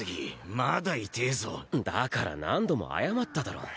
まだ痛えぞだから何度も謝っただろ